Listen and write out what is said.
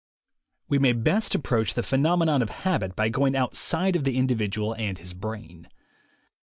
We may best approach the phenomenon of habit by going outside of the individual and his brain.